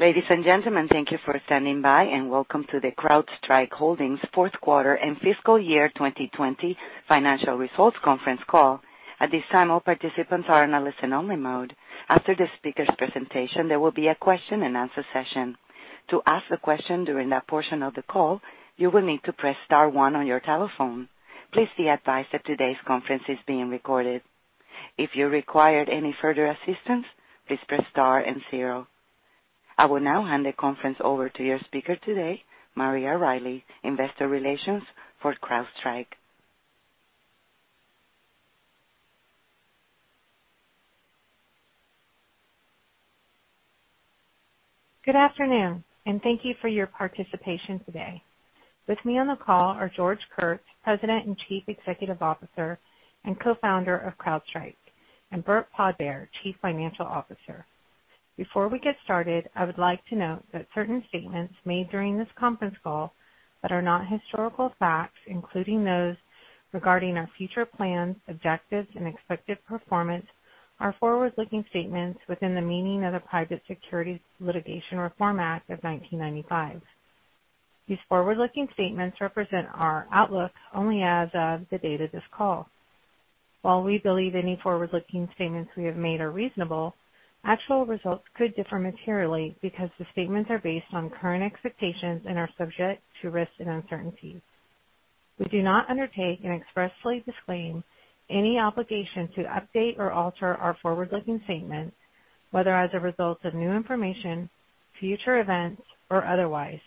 Ladies and gentlemen, thank you for standing by and welcome to the CrowdStrike Holdings fourth quarter and fiscal year 2020 financial results conference call. At this time, all participants are in a listen-only mode. After the speaker's presentation, there will be a question and answer session. To ask a question during that portion of the call, you will need to press star one on your telephone. Please be advised that today's conference is being recorded. If you require any further assistance, please press star and zero. I will now hand the conference over to your speaker today, Maria Riley, investor relations for CrowdStrike. Good afternoon, and thank you for your participation today. With me on the call are George Kurtz, President and Chief Executive Officer and co-founder of CrowdStrike, and Burt Podbere, Chief Financial Officer. Before we get started, I would like to note that certain statements made during this conference call that are not historical facts, including those regarding our future plans, objectives, and expected performance, are forward-looking statements within the meaning of the Private Securities Litigation Reform Act of 1995. These forward-looking statements represent our outlook only as of the date of this call. While we believe any forward-looking statements we have made are reasonable, actual results could differ materially because the statements are based on current expectations and are subject to risks and uncertainties. We do not undertake and expressly disclaim any obligation to update or alter our forward-looking statements, whether as a result of new information, future events, or otherwise.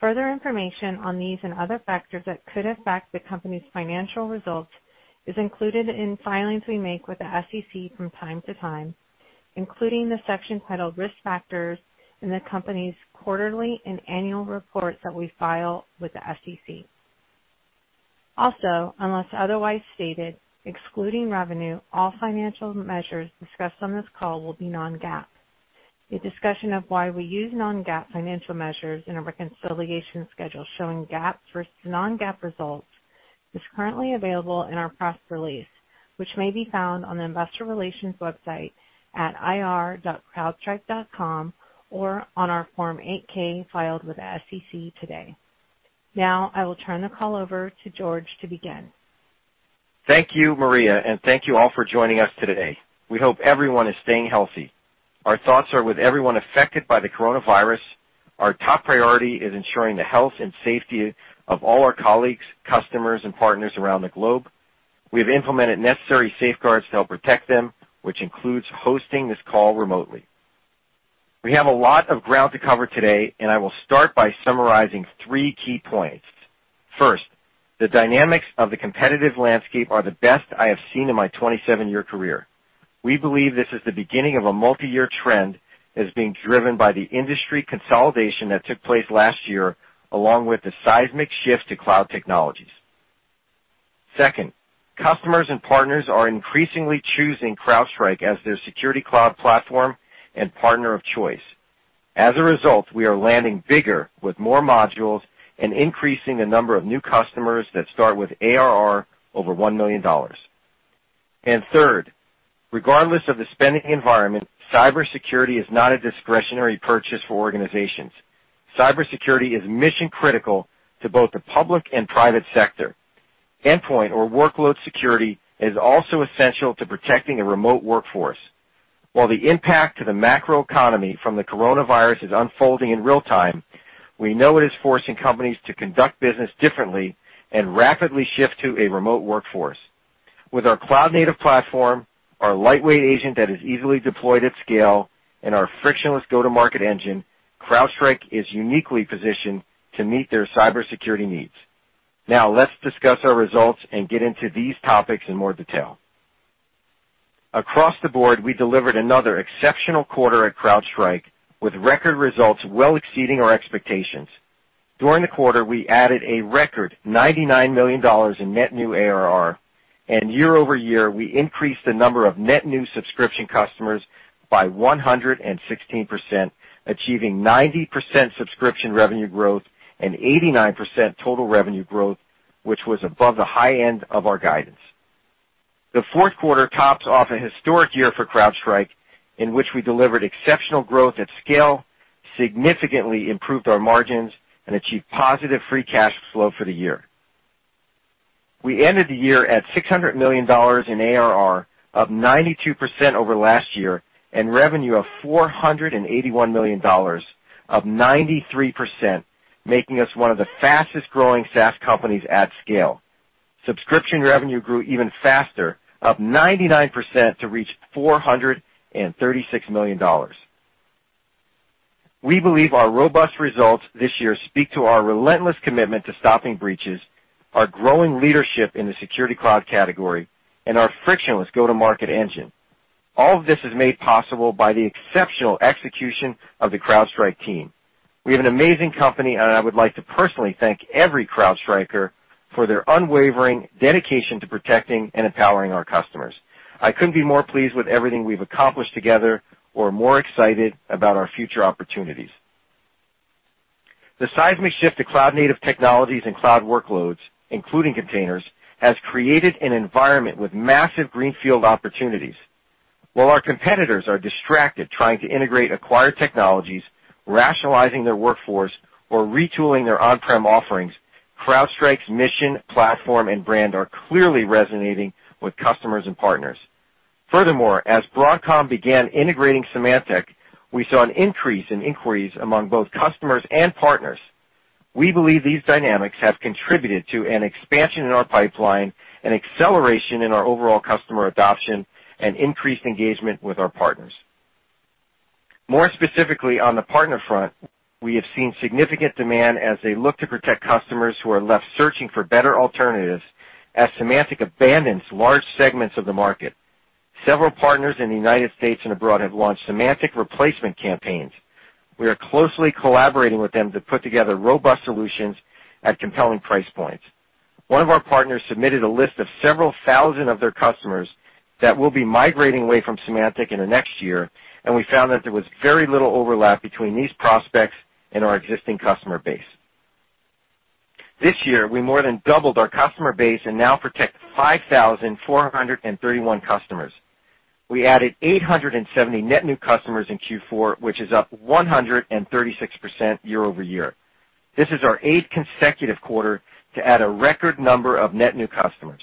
Further information on these and other factors that could affect the company's financial results is included in filings we make with the SEC from time to time, including the section titled Risk Factors in the company's quarterly and annual reports that we file with the SEC. Also, unless otherwise stated, excluding revenue, all financial measures discussed on this call will be non-GAAP. A discussion of why we use non-GAAP financial measures and a reconciliation schedule showing GAAP versus non-GAAP results is currently available in our press release, which may be found on the investor relations website at ir.crowdstrike.com or on our Form 8-K filed with the SEC today. Now I will turn the call over to George to begin. Thank you, Maria, and thank you all for joining us today. We hope everyone is staying healthy. Our thoughts are with everyone affected by the coronavirus. Our top priority is ensuring the health and safety of all our colleagues, customers, and partners around the globe. We have implemented necessary safeguards to help protect them, which includes hosting this call remotely. We have a lot of ground to cover today, and I will start by summarizing three key points. First, the dynamics of the competitive landscape are the best I have seen in my 27-year career. We believe this is the beginning of a multi-year trend that is being driven by the industry consolidation that took place last year, along with the seismic shift to cloud technologies. Second, customers and partners are increasingly choosing CrowdStrike as their security cloud platform and partner of choice. We are landing bigger with more modules and increasing the number of new customers that start with ARR over $1 million. Third, regardless of the spending environment, cybersecurity is not a discretionary purchase for organizations. Cybersecurity is mission-critical to both the public and private sector. Endpoint or workload security is also essential to protecting a remote workforce. While the impact to the macroeconomy from the coronavirus is unfolding in real time, we know it is forcing companies to conduct business differently and rapidly shift to a remote workforce. With our cloud-native platform, our lightweight agent that is easily deployed at scale, and our frictionless go-to-market engine, CrowdStrike is uniquely positioned to meet their cybersecurity needs. Let's discuss our results and get into these topics in more detail. Across the board, we delivered another exceptional quarter at CrowdStrike, with record results well exceeding our expectations. During the quarter, we added a record $99 million in net new ARR, and year-over-year, we increased the number of net new subscription customers by 116%, achieving 90% subscription revenue growth and 89% total revenue growth, which was above the high end of our guidance. The fourth quarter tops off a historic year for CrowdStrike, in which we delivered exceptional growth at scale, significantly improved our margins, and achieved positive free cash flow for the year. We ended the year at $600 million in ARR, up 92% over last year, and revenue of $481 million, up 93%, making us one of the fastest-growing SaaS companies at scale. Subscription revenue grew even faster, up 99%, to reach $436 million. We believe our robust results this year speak to our relentless commitment to stopping breaches, our growing leadership in the security cloud category, and our frictionless go-to-market engine. All of this is made possible by the exceptional execution of the CrowdStrike team. We have an amazing company, and I would like to personally thank every CrowdStriker for their unwavering dedication to protecting and empowering our customers. I couldn't be more pleased with everything we've accomplished together or more excited about our future opportunities. The seismic shift to cloud-native technologies and cloud workloads, including containers, has created an environment with massive greenfield opportunities. While our competitors are distracted trying to integrate acquired technologies, rationalizing their workforce, or retooling their on-prem offerings, CrowdStrike's mission, platform, and brand are clearly resonating with customers and partners. Furthermore, as Broadcom began integrating Symantec, we saw an increase in inquiries among both customers and partners. We believe these dynamics have contributed to an expansion in our pipeline, an acceleration in our overall customer adoption, and increased engagement with our partners. More specifically, on the partner front, we have seen significant demand as they look to protect customers who are left searching for better alternatives as Symantec abandons large segments of the market. Several partners in the United States and abroad have launched Symantec replacement campaigns. We are closely collaborating with them to put together robust solutions at compelling price points. One of our partners submitted a list of several thousand of their customers that will be migrating away from Symantec in the next year, and we found that there was very little overlap between these prospects and our existing customer base. This year, we more than doubled our customer base and now protect 5,431 customers. We added 870 net new customers in Q4, which is up 136% year-over-year. This is our eighth consecutive quarter to add a record number of net new customers.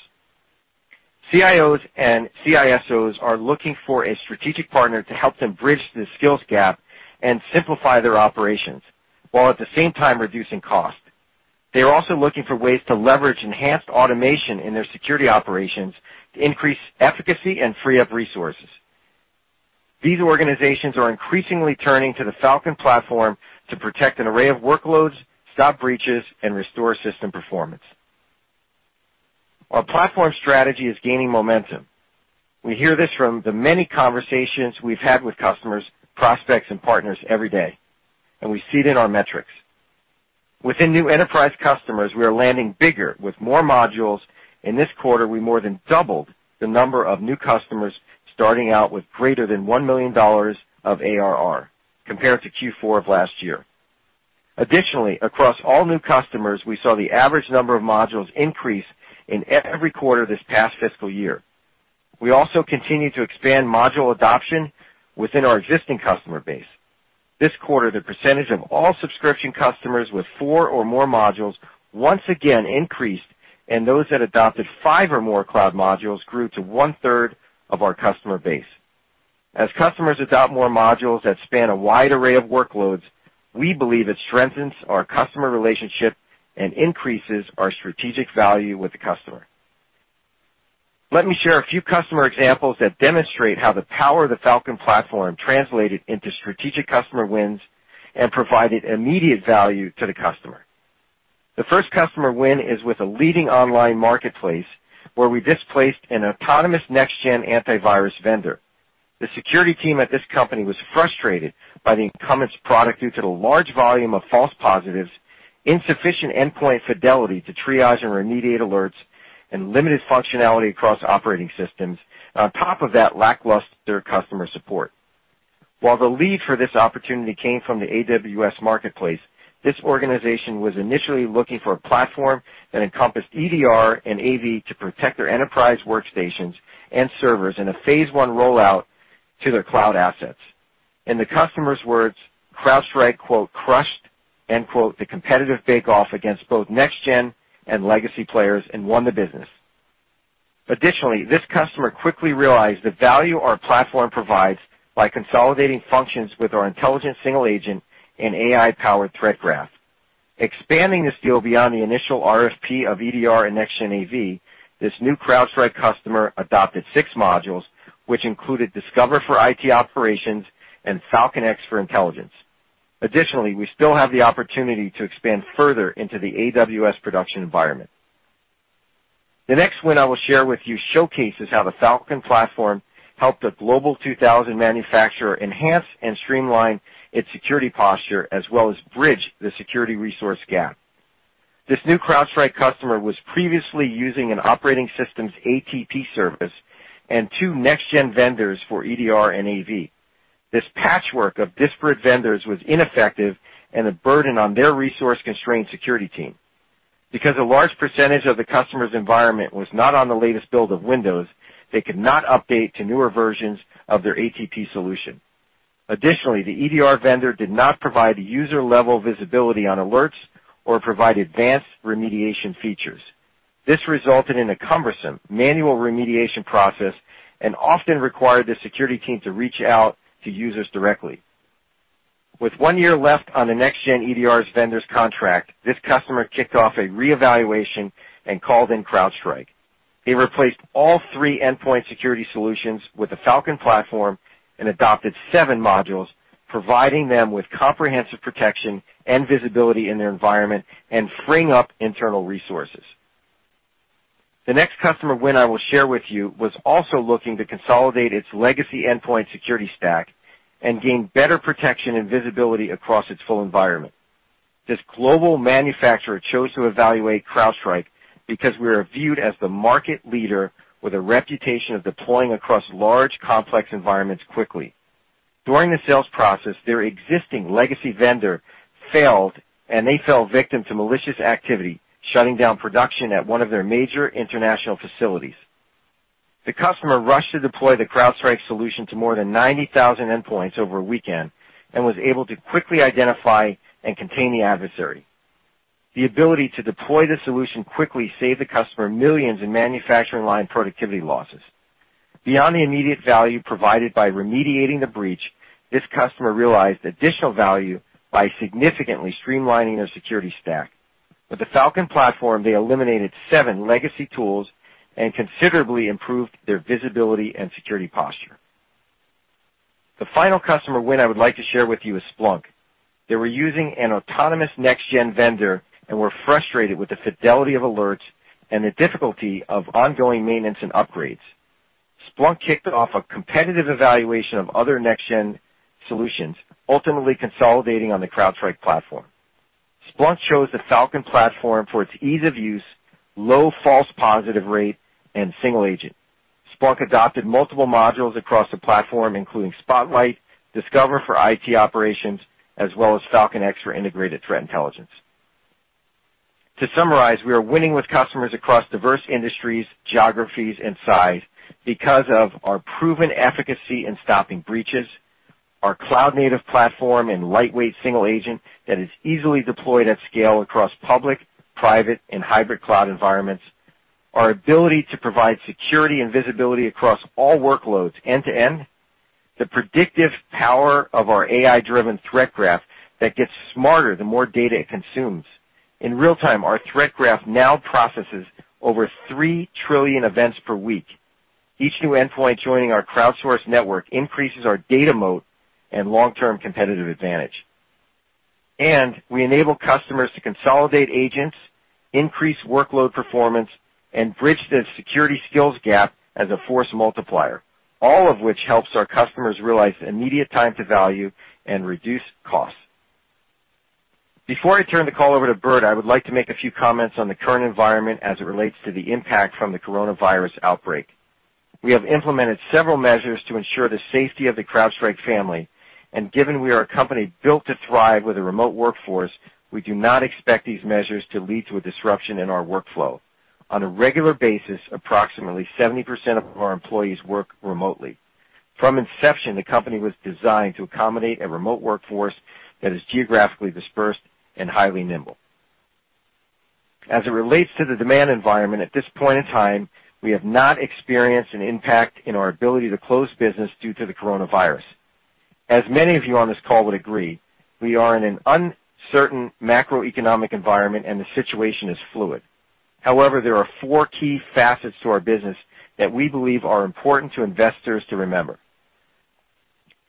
CIOs and CISO are looking for a strategic partner to help them bridge the skills gap and simplify their operations, while at the same time reducing cost. They are also looking for ways to leverage enhanced automation in their security operations to increase efficacy and free up resources. These organizations are increasingly turning to the Falcon platform to protect an array of workloads, stop breaches, and restore system performance. Our platform strategy is gaining momentum. We hear this from the many conversations we've had with customers, prospects, and partners every day, and we see it in our metrics. Within new enterprise customers, we are landing bigger with more modules. In this quarter, we more than doubled the number of new customers starting out with greater than $1 million of ARR compared to Q4 of last year. Additionally, across all new customers, we saw the average number of modules increase in every quarter this past fiscal year. We also continued to expand module adoption within our existing customer base. This quarter, the percentage of all subscription customers with four or more modules once again increased, and those that adopted five or more cloud modules grew to 1/3 of our customer base. As customers adopt more modules that span a wide array of workloads, we believe it strengthens our customer relationship and increases our strategic value with the customer. Let me share a few customer examples that demonstrate how the power of the Falcon platform translated into strategic customer wins and provided immediate value to the customer. The first customer win is with a leading online marketplace where we displaced an autonomous next-gen antivirus vendor. The security team at this company was frustrated by the incumbent's product due to the large volume of false positives, insufficient endpoint fidelity to triage and remediate alerts, and limited functionality across operating systems, and on top of that, lackluster customer support. While the lead for this opportunity came from the AWS Marketplace, this organization was initially looking for a platform that encompassed EDR and AV to protect their enterprise workstations and servers in a phase one rollout to their cloud assets. In the customer's words, CrowdStrike, "crushed," the competitive bake-off against both next-gen and legacy players and won the business. Additionally, this customer quickly realized the value our platform provides by consolidating functions with our intelligent single agent and AI-powered threat graph. Expanding this deal beyond the initial RFP of EDR and next-gen AV, this new CrowdStrike customer adopted six modules, which included Discover for IT operations and Falcon X for intelligence. Additionally, we still have the opportunity to expand further into the AWS production environment. The next win I will share with you showcases how the Falcon platform helped a Global 2000 manufacturer enhance and streamline its security posture, as well as bridge the security resource gap. This new CrowdStrike customer was previously using an operating systems ATP service and two next-gen vendors for EDR and AV. This patchwork of disparate vendors was ineffective and a burden on their resource-constrained security team. Because a large percentage of the customer's environment was not on the latest build of Windows, they could not update to newer versions of their ATP solution. Additionally, the EDR vendor did not provide user-level visibility on alerts or provide advanced remediation features. This resulted in a cumbersome manual remediation process and often required the security team to reach out to users directly. With one year left on the next-gen EDR vendor's contract, this customer kicked off a reevaluation and called in CrowdStrike. They replaced all three endpoint security solutions with the Falcon platform and adopted seven modules, providing them with comprehensive protection and visibility in their environment and freeing up internal resources. The next customer win I will share with you was also looking to consolidate its legacy endpoint security stack and gain better protection and visibility across its full environment. This global manufacturer chose to evaluate CrowdStrike because we are viewed as the market leader with a reputation of deploying across large, complex environments quickly. During the sales process, their existing legacy vendor failed, and they fell victim to malicious activity, shutting down production at one of their major international facilities. The customer rushed to deploy the CrowdStrike solution to more than 90,000 endpoints over a weekend and was able to quickly identify and contain the adversary. The ability to deploy the solution quickly saved the customer millions in manufacturing line productivity losses. Beyond the immediate value provided by remediating the breach, this customer realized additional value by significantly streamlining their security stack. With the Falcon platform, they eliminated seven legacy tools and considerably improved their visibility and security posture. The final customer win I would like to share with you is Splunk. They were using an autonomous next-gen vendor and were frustrated with the fidelity of alerts and the difficulty of ongoing maintenance and upgrades. Splunk kicked off a competitive evaluation of other next-gen solutions, ultimately consolidating on the CrowdStrike platform. Splunk chose the Falcon platform for its ease of use, low false positive rate, and single agent. Splunk adopted multiple modules across the platform, including Spotlight, Discover for IT operations, as well as Falcon X for integrated threat intelligence. To summarize, we are winning with customers across diverse industries, geographies, and size because of our proven efficacy in stopping breaches, our cloud-native platform and lightweight single agent that is easily deployed at scale across public, private, and hybrid cloud environments, our ability to provide security and visibility across all workloads end to end, the predictive power of our AI-driven Threat Graph that gets smarter the more data it consumes. In real time, our Threat Graph now processes over 3 trillion events per week. Each new endpoint joining our crowdsourced network increases our data moat and long-term competitive advantage. We enable customers to consolidate agents, increase workload performance, and bridge the security skills gap as a force multiplier, all of which helps our customers realize immediate time to value and reduce costs. Before I turn the call over to Burt, I would like to make a few comments on the current environment as it relates to the impact from the coronavirus outbreak. We have implemented several measures to ensure the safety of the CrowdStrike family, and given we are a company built to thrive with a remote workforce, we do not expect these measures to lead to a disruption in our workflow. On a regular basis, approximately 70% of our employees work remotely. From inception, the company was designed to accommodate a remote workforce that is geographically dispersed and highly nimble. As it relates to the demand environment at this point in time, we have not experienced an impact in our ability to close business due to the coronavirus. As many of you on this call would agree, we are in an uncertain macroeconomic environment. The situation is fluid. However, there are four key facets to our business that we believe are important to investors to remember.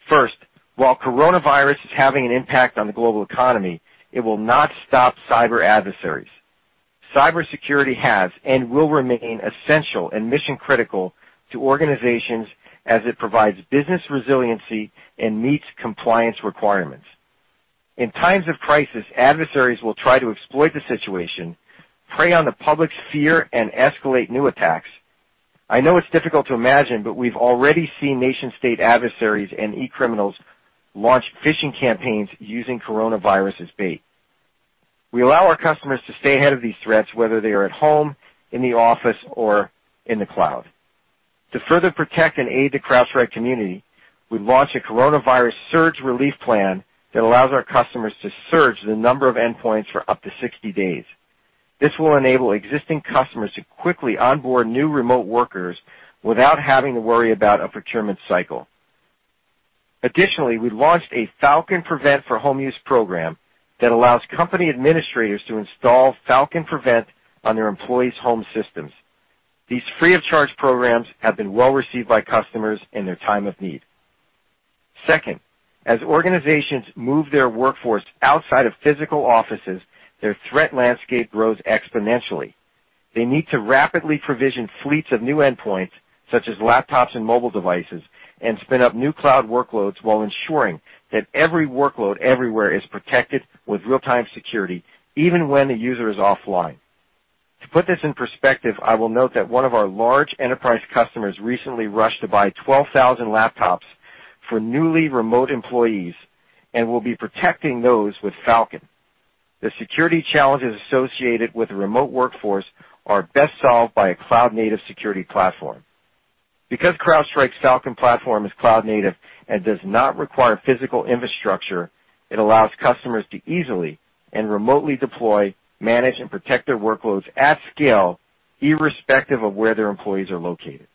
First, while coronavirus is having an impact on the global economy, it will not stop cyber adversaries. Cybersecurity has and will remain essential and mission-critical to organizations as it provides business resiliency and meets compliance requirements. In times of crisis, adversaries will try to exploit the situation, prey on the public's fear, and escalate new attacks. I know it's difficult to imagine. We've already seen nation-state adversaries and e-criminals launch phishing campaigns using coronavirus as bait. We allow our customers to stay ahead of these threats, whether they are at home, in the office, or in the cloud. To further protect and aid the CrowdStrike community, we launched a coronavirus surge relief plan that allows our customers to surge the number of endpoints for up to 60 days. This will enable existing customers to quickly onboard new remote workers without having to worry about a procurement cycle. Additionally, we launched a Falcon Prevent for Home Use program that allows company administrators to install Falcon Prevent on their employees' home systems. These free-of-charge programs have been well received by customers in their time of need. Second, as organizations move their workforce outside of physical offices, their threat landscape grows exponentially. They need to rapidly provision fleets of new endpoints, such as laptops and mobile devices, and spin up new cloud workloads while ensuring that every workload everywhere is protected with real-time security, even when a user is offline. To put this in perspective, I will note that one of our large enterprise customers recently rushed to buy 12,000 laptops for newly remote employees and will be protecting those with Falcon. The security challenges associated with a remote workforce are best solved by a cloud-native security platform. Because CrowdStrike's Falcon platform is cloud native and does not require physical infrastructure, it allows customers to easily and remotely deploy, manage, and protect their workloads at scale, irrespective of where their employees are located.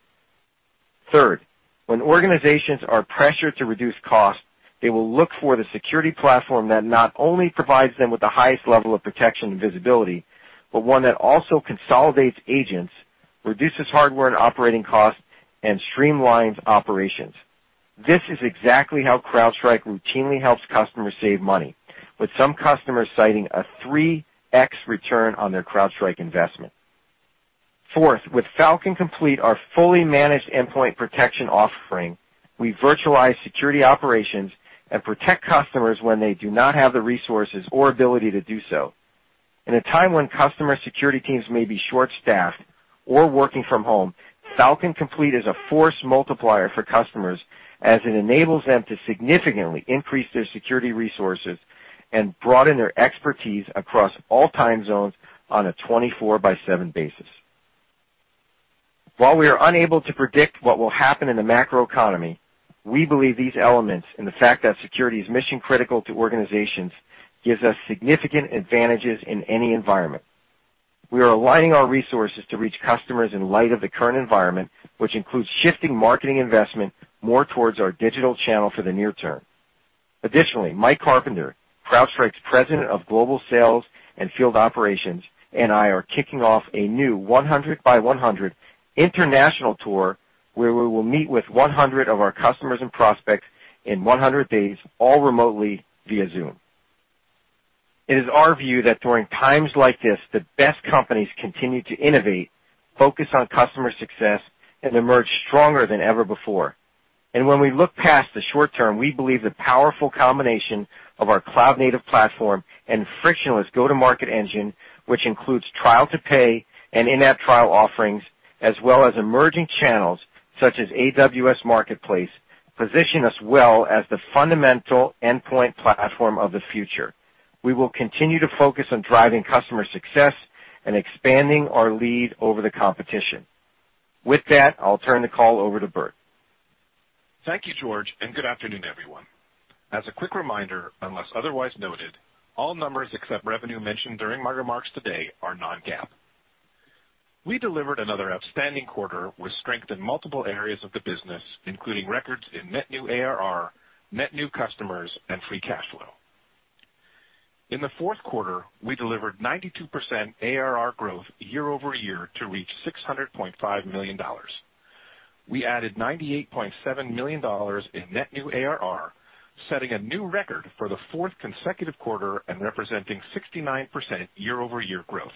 Third, when organizations are pressured to reduce costs, they will look for the security platform that not only provides them with the highest level of protection and visibility, but one that also consolidates agents, reduces hardware and operating costs, and streamlines operations. This is exactly how CrowdStrike routinely helps customers save money, with some customers citing a 3x return on their CrowdStrike investment. Fourth, with Falcon Complete, our fully managed endpoint protection offering, we virtualize security operations and protect customers when they do not have the resources or ability to do so. In a time when customer security teams may be short-staffed or working from home, Falcon Complete is a force multiplier for customers as it enables them to significantly increase their security resources and broaden their expertise across all time zones on a 24 by 7 basis. While we are unable to predict what will happen in the macroeconomy, we believe these elements and the fact that security is mission-critical to organizations gives us significant advantages in any environment. We are aligning our resources to reach customers in light of the current environment, which includes shifting marketing investment more towards our digital channel for the near term. Additionally, Mike Carpenter, CrowdStrike's President of Global Sales and Field Operations, and I are kicking off a new 100 by 100 international tour where we will meet with 100 of our customers and prospects in 100 days, all remotely via Zoom. It is our view that during times like this, the best companies continue to innovate, focus on customer success, and emerge stronger than ever before. When we look past the short term, we believe the powerful combination of our cloud-native platform and frictionless go-to-market engine, which includes trial to pay and in-app trial offerings, as well as emerging channels such as AWS Marketplace, position us well as the fundamental endpoint platform of the future. We will continue to focus on driving customer success and expanding our lead over the competition. With that, I'll turn the call over to Burt. Thank you, George, and good afternoon, everyone. As a quick reminder, unless otherwise noted, all numbers except revenue mentioned during my remarks today are non-GAAP. We delivered another outstanding quarter with strength in multiple areas of the business, including records in net new ARR, net new customers, and free cash flow. In the fourth quarter, we delivered 92% ARR growth year-over-year to reach $600.5 million. We added $98.7 million in net new ARR, setting a new record for the fourth consecutive quarter and representing 69% year-over-year growth.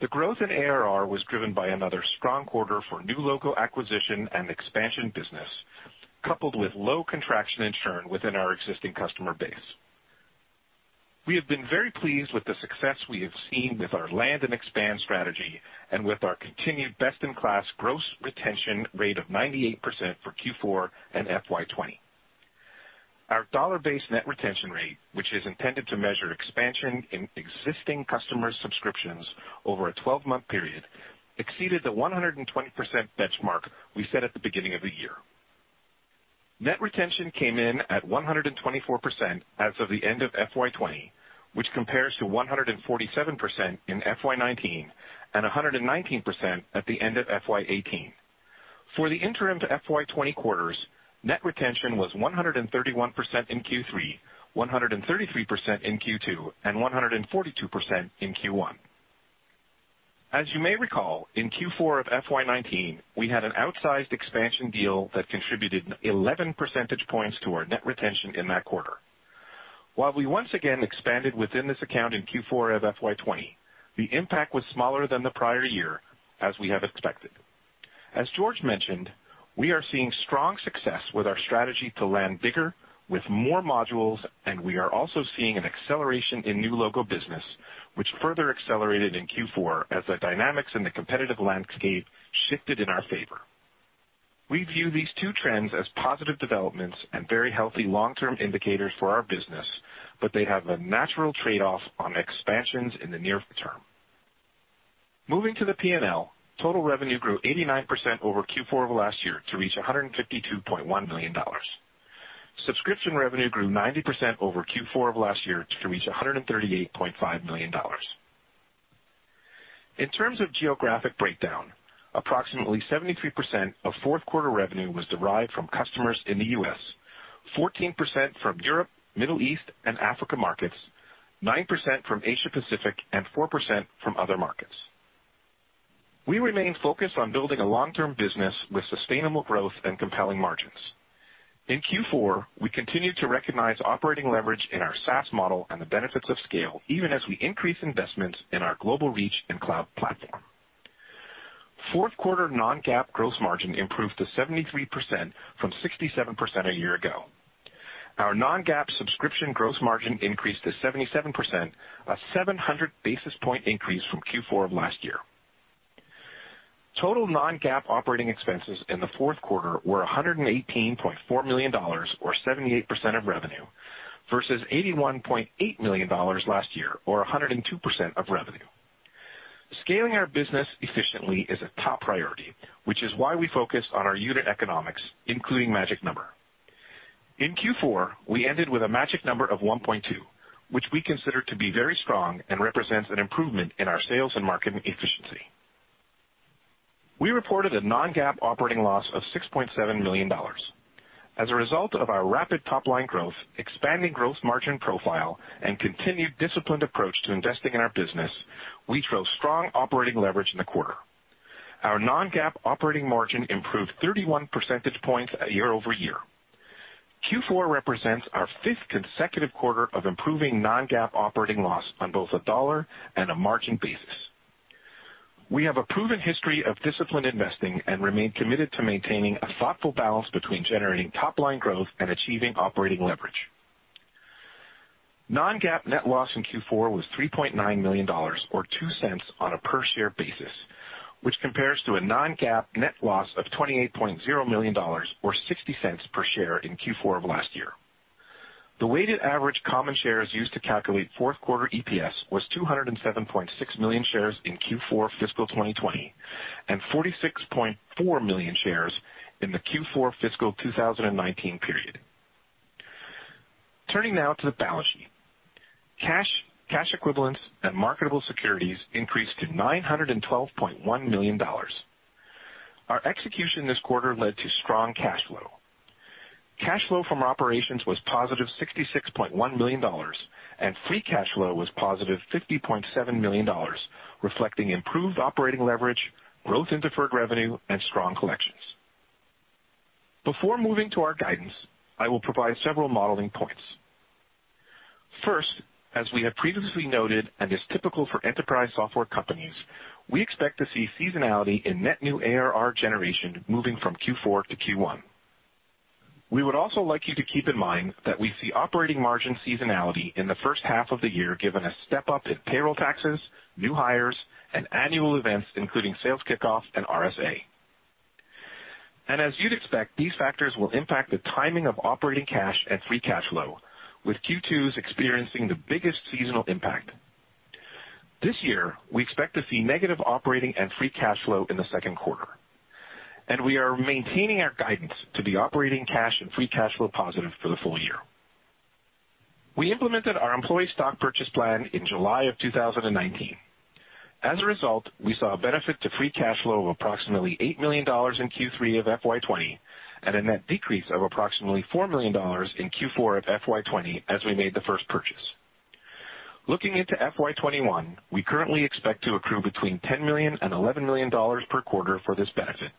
The growth in ARR was driven by another strong quarter for new logo acquisition and expansion business, coupled with low contraction and churn within our existing customer base. We have been very pleased with the success we have seen with our land and expand strategy and with our continued best-in-class gross retention rate of 98% for Q4 and FY 2020. Our dollar-based net retention rate, which is intended to measure expansion in existing customer subscriptions over a 12-month period, exceeded the 120% benchmark we set at the beginning of the year. Net retention came in at 124% as of the end of FY 2020, which compares to 147% in FY 2019 and 119% at the end of FY 2018. For the interim to FY 2020 quarters, net retention was 131% in Q3, 133% in Q2, and 142% in Q1. As you may recall, in Q4 of FY 2019, we had an outsized expansion deal that contributed 11 percentage points to our net retention in that quarter. While we once again expanded within this account in Q4 of FY 2020, the impact was smaller than the prior year, as we have expected. As George mentioned, we are seeing strong success with our strategy to land bigger, with more modules, and we are also seeing an acceleration in new logo business, which further accelerated in Q4 as the dynamics in the competitive landscape shifted in our favor. We view these two trends as positive developments and very healthy long-term indicators for our business, but they have a natural trade-off on expansions in the near term. Moving to the P&L, total revenue grew 89% over Q4 of last year to reach $152.1 million. Subscription revenue grew 90% over Q4 of last year to reach $138.5 million. In terms of geographic breakdown, approximately 73% of fourth quarter revenue was derived from customers in the U.S., 14% from Europe, Middle East, and Africa markets, 9% from Asia Pacific, and 4% from other markets. We remain focused on building a long-term business with sustainable growth and compelling margins. In Q4, we continued to recognize operating leverage in our SaaS model and the benefits of scale, even as we increase investments in our global reach and cloud platform. Fourth quarter non-GAAP gross margin improved to 73% from 67% a year ago. Our non-GAAP subscription gross margin increased to 77%, a 700 basis point increase from Q4 of last year. Total non-GAAP operating expenses in the fourth quarter were $118.4 million or 78% of revenue, versus $81.8 million last year or 102% of revenue. Scaling our business efficiently is a top priority, which is why we focus on our unit economics, including magic number. In Q4, we ended with a magic number of 1.2, which we consider to be very strong and represents an improvement in our sales and marketing efficiency. We reported a non-GAAP operating loss of $6.7 million. As a result of our rapid top-line growth, expanding gross margin profile, and continued disciplined approach to investing in our business, we drove strong operating leverage in the quarter. Our non-GAAP operating margin improved 31 percentage points year-over-year. Q4 represents our fifth consecutive quarter of improving non-GAAP operating loss on both a dollar and a margin basis. We have a proven history of disciplined investing and remain committed to maintaining a thoughtful balance between generating top-line growth and achieving operating leverage. Non-GAAP net loss in Q4 was $3.9 million, or $0.02 on a per share basis, which compares to a non-GAAP net loss of $28.0 million or $0.60 per share in Q4 of last year. The weighted average common shares used to calculate fourth quarter EPS was 207.6 million shares in Q4 fiscal 2020, and 46.4 million shares in the Q4 fiscal 2019 period. Turning now to the balance sheet. Cash equivalents and marketable securities increased to $912.1 million. Our execution this quarter led to strong cash flow. Cash flow from operations was positive $66.1 million, and free cash flow was positive $50.7 million, reflecting improved operating leverage, growth in deferred revenue, and strong collections. Before moving to our guidance, I will provide several modeling points. First, as we have previously noted, and is typical for enterprise software companies, we expect to see seasonality in net new ARR generation moving from Q4 to Q1. We would also like you to keep in mind that we see operating margin seasonality in the first half of the year, given a step-up in payroll taxes, new hires, and annual events, including sales kickoff and RSA. As you'd expect, these factors will impact the timing of operating cash and free cash flow, with Q2s experiencing the biggest seasonal impact. This year, we expect to see negative operating and free cash flow in the second quarter. We are maintaining our guidance to be operating cash and free cash flow positive for the full year. We implemented our employee stock purchase plan in July of 2019. As a result, we saw a benefit to free cash flow of approximately $8 million in Q3 of FY 2020, and a net decrease of approximately $4 million in Q4 of FY 2020 as we made the first purchase. Looking into FY 2021, we currently expect to accrue between $10 million and $11 million per quarter for this benefit,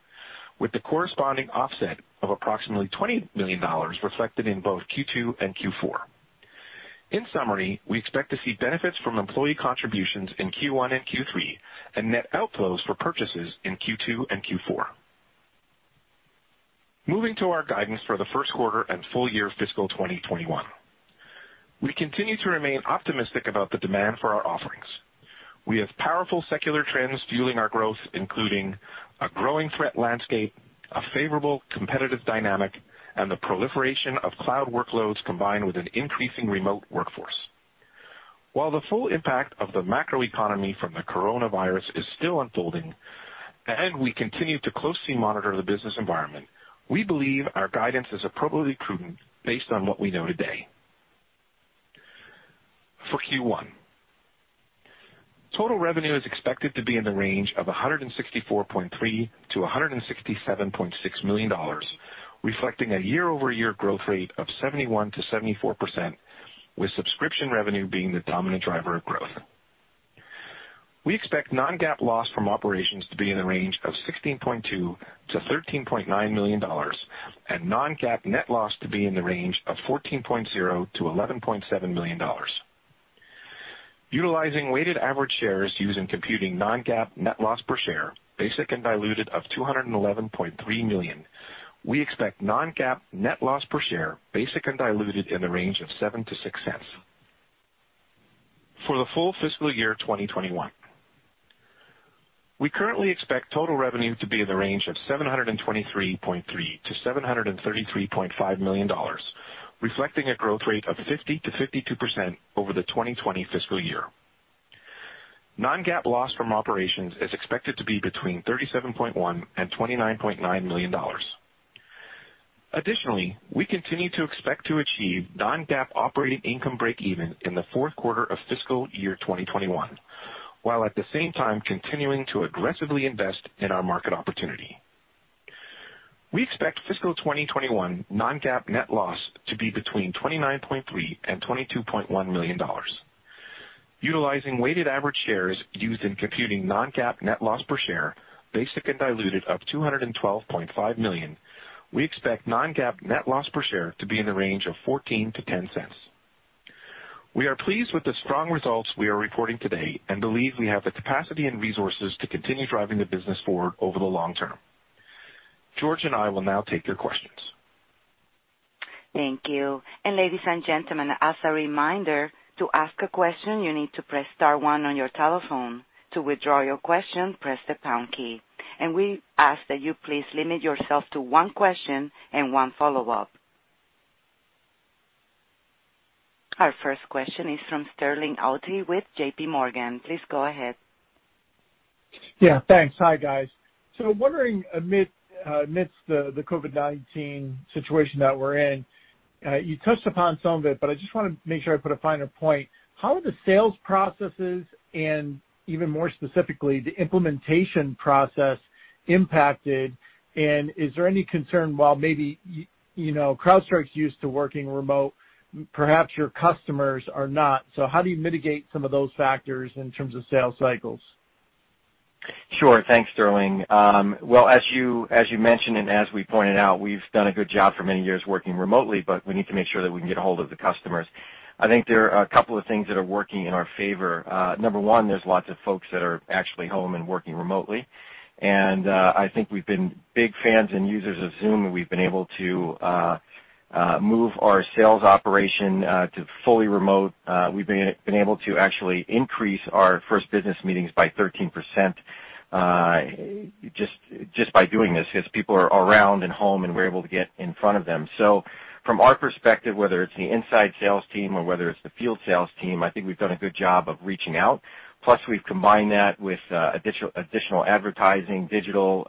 with the corresponding offset of approximately $20 million reflected in both Q2 and Q4. In summary, we expect to see benefits from employee contributions in Q1 and Q3, and net outflows for purchases in Q2 and Q4. Moving to our guidance for the first quarter and full year fiscal 2021. We continue to remain optimistic about the demand for our offerings. We have powerful secular trends fueling our growth, including a growing threat landscape, a favorable competitive dynamic, and the proliferation of cloud workloads, combined with an increasing remote workforce. While the full impact of the macroeconomy from the coronavirus is still unfolding, and we continue to closely monitor the business environment, we believe our guidance is appropriately prudent based on what we know today. For Q1, total revenue is expected to be in the range of $164.3 million-$167.6 million, reflecting a year-over-year growth rate of 71%-74%, with subscription revenue being the dominant driver of growth. We expect non-GAAP loss from operations to be in the range of $16.2 million-$13.9 million and non-GAAP net loss to be in the range of $14.0 million-$11.7 million. Utilizing weighted average shares used in computing non-GAAP net loss per share, basic and diluted of 211.3 million, we expect non-GAAP net loss per share, basic and diluted, in the range of $0.07-$0.06. For the full fiscal year 2021, we currently expect total revenue to be in the range of $723.3 million-$733.5 million, reflecting a growth rate of 50%-52% over the 2020 fiscal year. Non-GAAP loss from operations is expected to be between $37.1 million and $29.9 million. Additionally, we continue to expect to achieve non-GAAP operating income break even in the fourth quarter of fiscal year 2021, while at the same time continuing to aggressively invest in our market opportunity. We expect fiscal 2021 non-GAAP net loss to be between $29.3 million and $22.1 million. Utilizing weighted average shares used in computing non-GAAP net loss per share, basic and diluted of 212.5 million, we expect non-GAAP net loss per share to be in the range of $0.14-$0.10. We are pleased with the strong results we are reporting today and believe we have the capacity and resources to continue driving the business forward over the long term. George and I will now take your questions. Thank you. Ladies and gentlemen, as a reminder, to ask a question, you need to press star one on your telephone. To withdraw your question, press the pound key. We ask that you please limit yourself to one question and one follow-up. Our first question is from Sterling Auty with JPMorgan. Please go ahead. Yeah, thanks. Hi, guys. Wondering amidst the COVID-19 situation that we're in, you touched upon some of it, but I just want to make sure I put a finer point. How are the sales processes, and even more specifically, the implementation process impacted, and is there any concern while maybe CrowdStrike's used to working remote, perhaps your customers are not. How do you mitigate some of those factors in terms of sales cycles? Sure. Thanks, Sterling. Well, as you mentioned and as we pointed out, we've done a good job for many years working remotely, but we need to make sure that we can get a hold of the customers. I think there are a couple of things that are working in our favor. Number one, there's lots of folks that are actually home and working remotely, and I think we've been big fans and users of Zoom, and we've been able to move our sales operation to fully remote. We've been able to actually increase our first business meetings by 13% just by doing this, because people are around and home, and we're able to get in front of them. From our perspective, whether it's the inside sales team or whether it's the field sales team, I think we've done a good job of reaching out. Plus, we've combined that with additional advertising, digital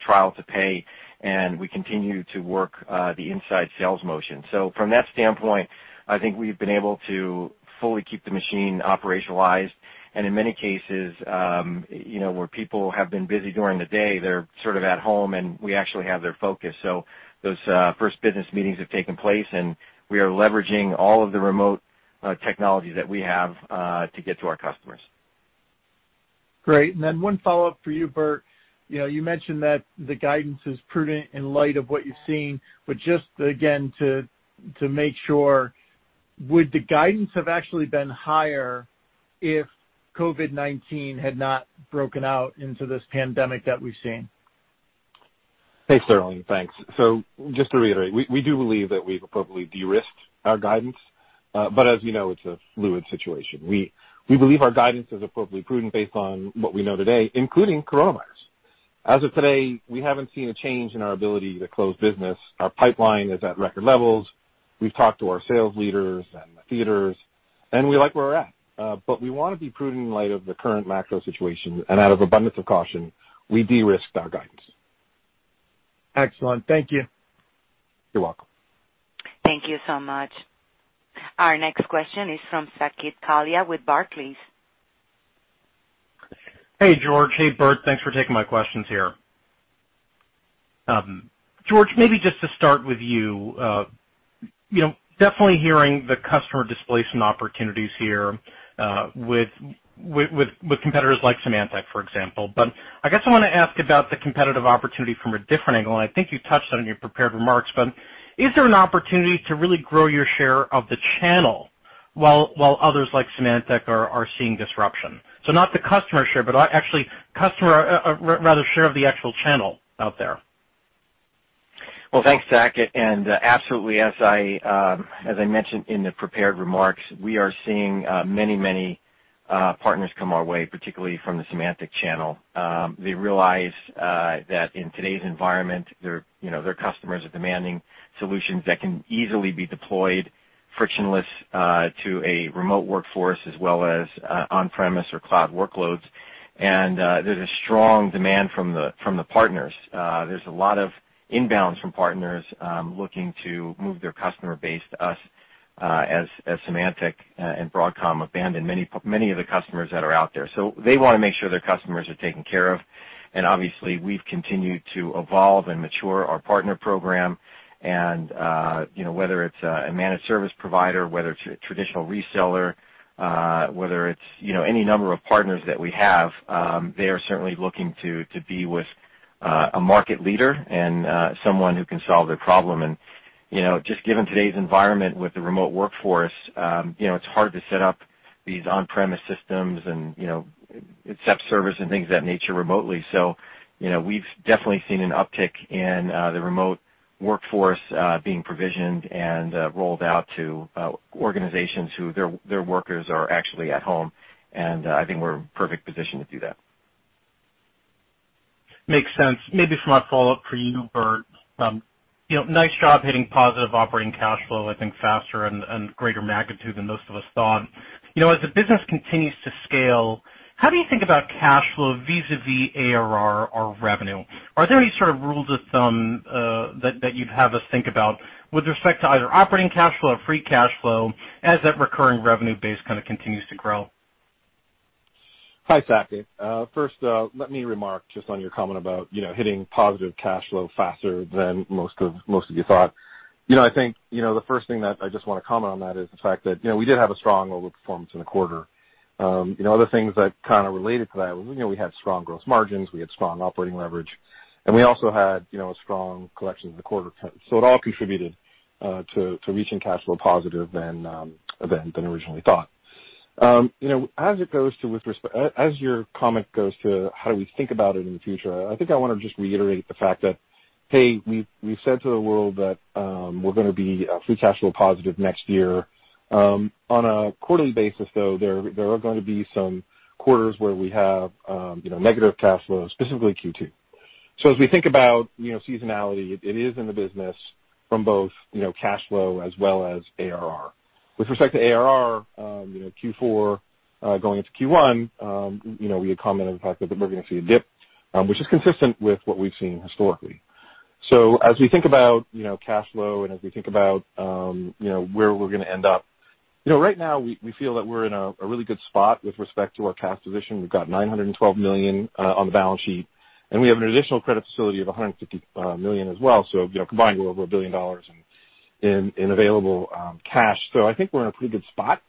trial to pay, and we continue to work the inside sales motion. from that standpoint, I think we've been able to fully keep the machine operationalized and in many cases, where people have been busy during the day, they're sort of at home, and we actually have their focus. those first business meetings have taken place, and we are leveraging all of the remote technology that we have to get to our customers. Great. One follow-up for you, Burt. You mentioned that the guidance is prudent in light of what you've seen, but just again, to make sure, would the guidance have actually been higher if COVID-19 had not broken out into this pandemic that we've seen? Thanks, Sterling. Just to reiterate, we do believe that we've appropriately de-risked our guidance. As you know, it's a fluid situation. We believe our guidance is appropriately prudent based on what we know today, including coronavirus. As of today, we haven't seen a change in our ability to close business. Our pipeline is at record levels. We've talked to our sales leaders and the theaters, and we like where we're at. We want to be prudent in light of the current macro situation, and out of abundance of caution, we de-risked our guidance. Excellent. Thank you. You're welcome. Thank you so much. Our next question is from Saket Kalia with Barclays. Hey, George. Hey, Burt. Thanks for taking my questions here. George, maybe just to start with you. Definitely hearing the customer displacement opportunities here, with competitors like Symantec, for example. I guess I want to ask about the competitive opportunity from a different angle, and I think you touched on it in your prepared remarks. Is there an opportunity to really grow your share of the channel while others like Symantec are seeing disruption? Not the customer share, but actually share of the actual channel out there. Well, thanks, Saket, and absolutely. As I mentioned in the prepared remarks, we are seeing many partners come our way, particularly from the Symantec channel. They realize that in today's environment, their customers are demanding solutions that can easily be deployed frictionless to a remote workforce as well as on-premise or cloud workloads. There's a strong demand from the partners. There's a lot of inbounds from partners looking to move their customer base to us as Symantec and Broadcom abandon many of the customers that are out there. They want to make sure their customers are taken care of, and obviously, we've continued to evolve and mature our partner program, and whether it's a managed service provider, whether it's a traditional reseller, whether it's any number of partners that we have, they are certainly looking to be with a market leader and someone who can solve their problem. Just given today's environment with the remote workforce, it's hard to set up these on-premise systems and accept service and things of that nature remotely. We've definitely seen an uptick in the remote workforce being provisioned and rolled out to organizations who their workers are actually at home, and I think we're in the perfect position to do that. Makes sense. Maybe a smart follow-up for you, Burt. Nice job hitting positive operating cash flow, I think faster and greater magnitude than most of us thought. As the business continues to scale, how do you think about cash flow vis-à-vis ARR or revenue? Are there any sort of rules of thumb that you'd have us think about with respect to either operating cash flow or free cash flow as that recurring revenue base kind of continues to grow? Hi, Saket. First, let me remark just on your comment about hitting positive cash flow faster than most of you thought. I think the first thing that I just want to comment on that is the fact that we did have a strong overperformance in the quarter. Other things that kind of related to that was we had strong gross margins, we had strong operating leverage, and we also had a strong collection in the quarter. It all contributed to reaching cash flow positive than originally thought. As your comment goes to how do we think about it in the future, I think I want to just reiterate the fact that, hey, we've said to the world that we're going to be free cash flow positive next year. On a quarterly basis, though, there are going to be some quarters where we have negative cash flow, specifically Q2. As we think about seasonality, it is in the business from both cash flow as well as ARR. With respect to ARR, Q4 going into Q1, we had commented on the fact that we're going to see a dip, which is consistent with what we've seen historically. As we think about cash flow and as we think about where we're going to end up, right now, we feel that we're in a really good spot with respect to our cash position. We've got $912 million on the balance sheet, and we have an additional credit facility of $150 million as well. Combined, we're over $1 billion in available cash. I think we're in a pretty good spot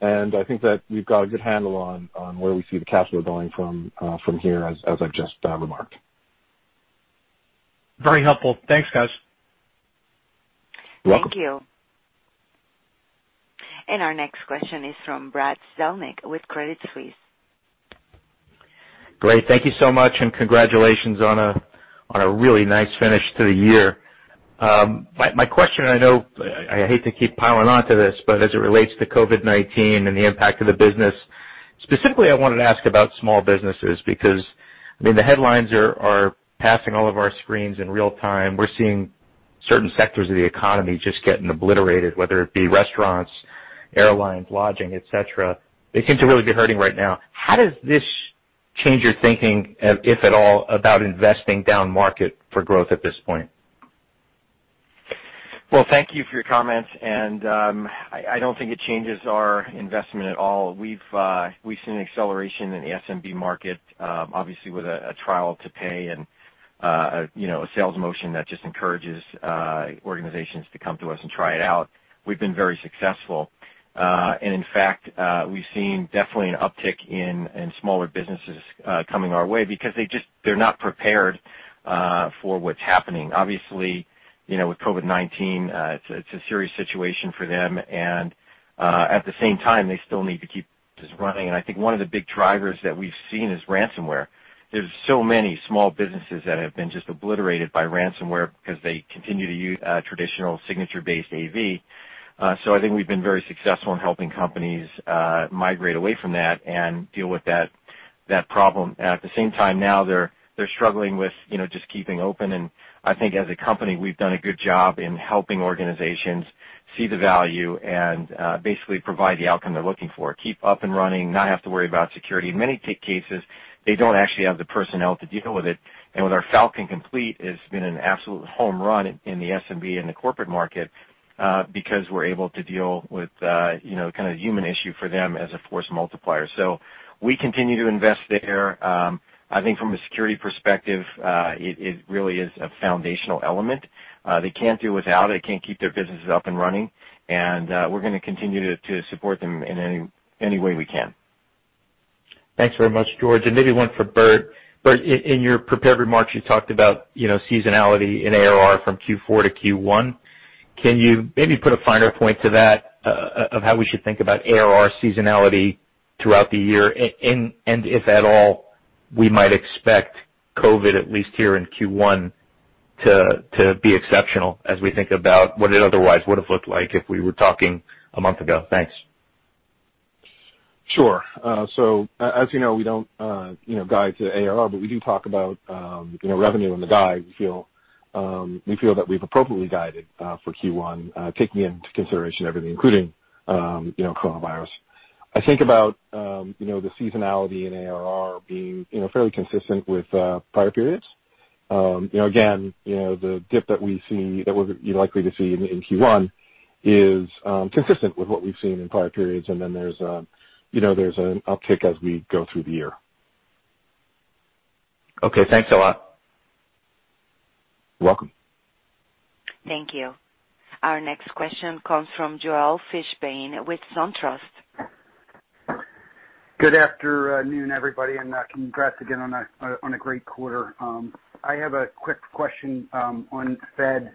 I think that we've got a good handle on where we see the capital going from here, as I've just remarked. Very helpful. Thanks, guys. Thank you. Our next question is from Brad Zelnick with Credit Suisse. Great. Thank you so much, and congratulations on a really nice finish to the year. My question, I know I hate to keep piling onto this, but as it relates to COVID-19 and the impact of the business, specifically, I wanted to ask about small businesses, because the headlines are passing all of our screens in real-time. We're seeing certain sectors of the economy just getting obliterated, whether it be restaurants, airlines, lodging, et cetera. They seem to really be hurting right now. How does this change your thinking, if at all, about investing down market for growth at this point? Well, thank you for your comments, and I don't think it changes our investment at all. We've seen an acceleration in the SMB market, obviously, with a trial to pay and a sales motion that just encourages organizations to come to us and try it out. We've been very successful. In fact, we've seen definitely an uptick in smaller businesses coming our way because they're not prepared for what's happening. Obviously, with COVID-19, it's a serious situation for them, and at the same time, they still need to keep just running. I think one of the big drivers that we've seen is ransomware. There's so many small businesses that have been just obliterated by ransomware because they continue to use traditional signature-based AV. I think we've been very successful in helping companies migrate away from that and deal with that problem. At the same time, now they're struggling with just keeping open, and I think as a company, we've done a good job in helping organizations see the value and basically provide the outcome they're looking for. Keep up and running, not have to worry about security. In many cases, they don't actually have the personnel to deal with it. With our Falcon Complete, it's been an absolute home run in the SMB and the corporate market, because we're able to deal with the human issue for them as a force multiplier. We continue to invest there. I think from a security perspective, it really is a foundational element. They can't do without it, can't keep their businesses up and running, and we're going to continue to support them in any way we can. Thanks very much, George. Maybe one for Burt. Burt, in your prepared remarks, you talked about seasonality in ARR from Q4 to Q1. Can you maybe put a finer point to that, of how we should think about ARR seasonality throughout the year? If at all, we might expect COVID, at least here in Q1, to be exceptional as we think about what it otherwise would have looked like if we were talking a month ago. Thanks. Sure. As you know, we don't guide to ARR, but we do talk about revenue in the guide. We feel that we've appropriately guided for Q1, taking into consideration everything, including coronavirus. I think about the seasonality in ARR being fairly consistent with prior periods. Again, the dip that we're likely to see in Q1 is consistent with what we've seen in prior periods, and then there's an uptick as we go through the year. Okay, thanks a lot. Welcome. Thank you. Our next question comes from Joel Fishbein with SunTrust. Good afternoon, everybody, and congrats again on a great quarter. I have a quick question on Fed.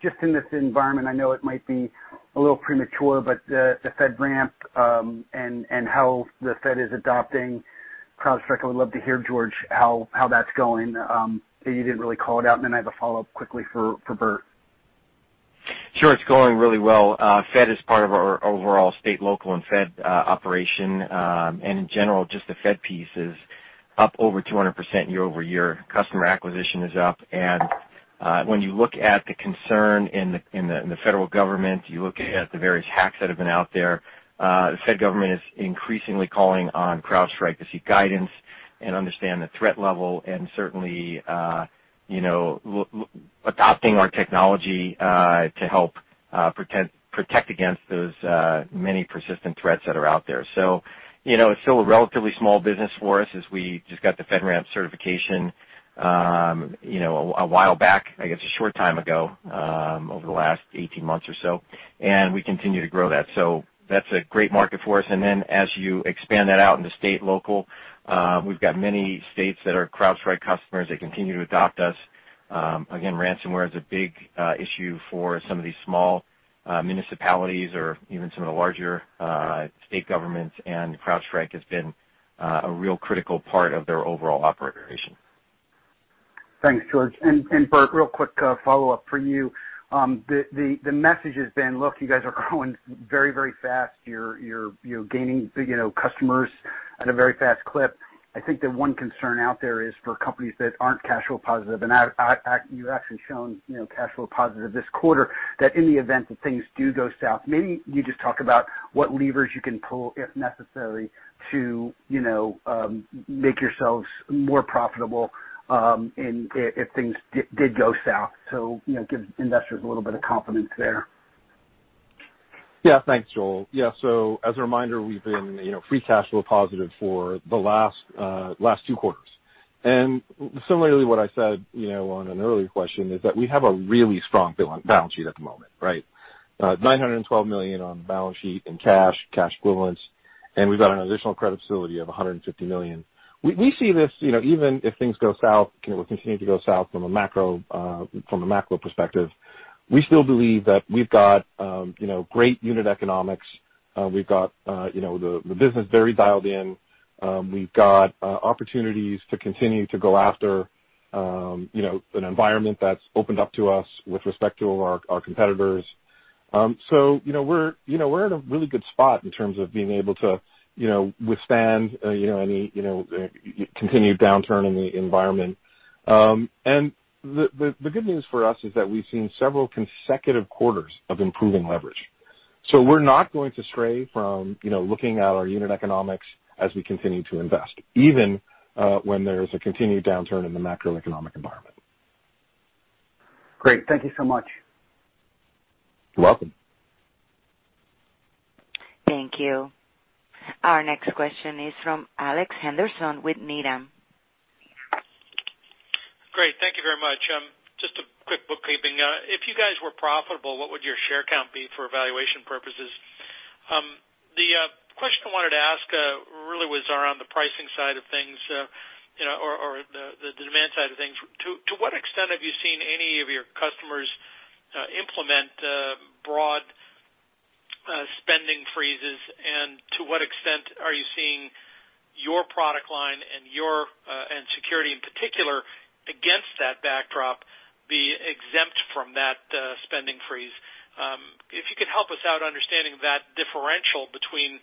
Just in this environment, I know it might be a little premature, but the FedRAMP, and how the Fed is adopting CrowdStrike. I would love to hear, George, how that's going, but you didn't really call it out. I have a follow-up quickly for Burt. Sure. It's going really well. Fed is part of our overall state, local, and Fed operation. In general, just the Fed piece is up over 200% year-over-year. Customer acquisition is up. When you look at the concern in the federal government, you look at the various hacks that have been out there, the Fed government is increasingly calling on CrowdStrike to seek guidance and understand the threat level and certainly, adopting our technology to help protect against those many persistent threats that are out there. It's still a relatively small business for us as we just got the FedRAMP certification a while back, I guess, a short time ago, over the last 18 months or so, and we continue to grow that. That's a great market for us. As you expand that out into state and local, we've got many states that are CrowdStrike customers. They continue to adopt us. Again, ransomware is a big issue for some of these small municipalities or even some of the larger state governments, and CrowdStrike has been a real critical part of their overall operation. Thanks, George. Burt, real quick follow-up for you. The message has been, look, you guys are growing very, very fast. You're gaining big customers at a very fast clip. I think that one concern out there is for companies that aren't cash flow positive, and you've actually shown cash flow positive this quarter, that in the event that things do go south, maybe you just talk about what levers you can pull, if necessary, to make yourselves more profitable if things did go south. Give investors a little bit of confidence there. Yeah. Thanks, Joel. As a reminder, we've been free cash flow positive for the last two quarters. Similarly, what I said on an earlier question is that we have a really strong balance sheet at the moment, right? $912 million on the balance sheet in cash equivalents. We've got an additional credit facility of $150 million. We see this, even if things go south, continue to go south from a macro perspective, we still believe that we've got great unit economics. We've got the business very dialed in. We've got opportunities to continue to go after an environment that's opened up to us with respect to our competitors. We're in a really good spot in terms of being able to withstand any continued downturn in the environment. The good news for us is that we've seen several consecutive quarters of improving leverage. We're not going to stray from looking at our unit economics as we continue to invest, even when there's a continued downturn in the macroeconomic environment. Great. Thank you so much. You're welcome. Thank you. Our next question is from Alex Henderson with Needham. Great. Thank you very much. Just a quick bookkeeping. If you guys were profitable, what would your share count be for valuation purposes? The question I wanted to ask really was around the pricing side of things, or the demand side of things. To what extent have you seen any of your customers implement broad spending freezes, and to what extent are you seeing your product line and security in particular against that backdrop be exempt from that spending freeze? If you could help us out understanding that differential between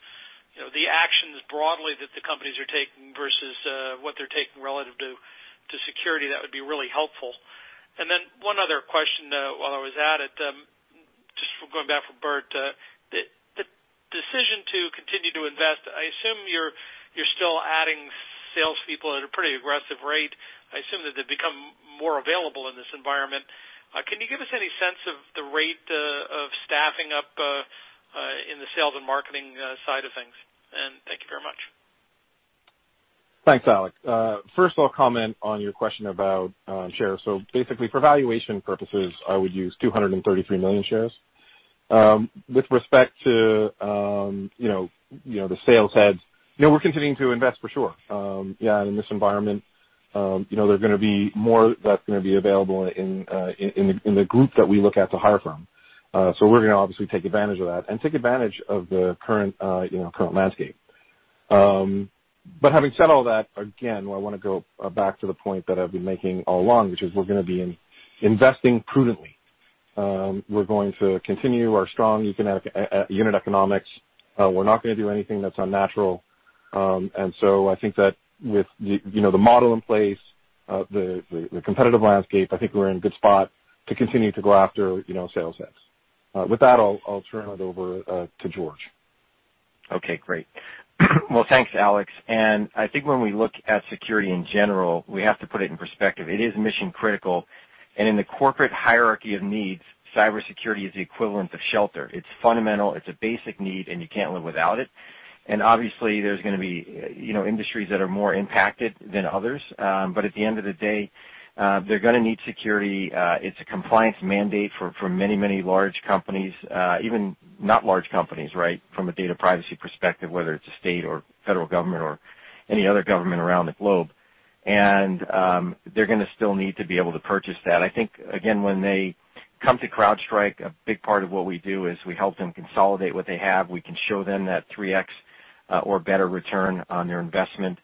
the actions broadly that the companies are taking versus what they're taking relative to security, that would be really helpful. One other question while I was at it, just going back for Burt. The decision to continue to invest, I assume you're still adding salespeople at a pretty aggressive rate. I assume that they've become more available in this environment. Can you give us any sense of the rate of staffing up in the sales and marketing side of things? Thank you very much. Thanks, Alex. First I'll comment on your question about shares. Basically, for valuation purposes, I would use 233 million shares. With respect to the sales heads, we're continuing to invest for sure. Yeah, in this environment there's going to be more that's going to be available in the group that we look at to hire from. We're going to obviously take advantage of that and take advantage of the current landscape. Having said all that, again, I want to go back to the point that I've been making all along, which is we're going to be investing prudently. We're going to continue our strong unit economics. We're not going to do anything that's unnatural. I think that with the model in place, the competitive landscape, I think we're in a good spot to continue to go after sales heads. With that, I'll turn it over to George. Okay, great. Well, thanks, Alex. I think when we look at security in general, we have to put it in perspective. It is mission critical. In the corporate hierarchy of needs, cybersecurity is the equivalent of shelter. It's fundamental, it's a basic need, and you can't live without it. Obviously there's going to be industries that are more impacted than others. At the end of the day, they're going to need security. It's a compliance mandate for many large companies, even not large companies, from a data privacy perspective, whether it's a state or federal government or any other government around the globe. They're going to still need to be able to purchase that. I think, again, when they come to CrowdStrike, a big part of what we do is we help them consolidate what they have. We can show them that 3x or better return on their investment.